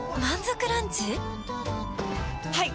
はい！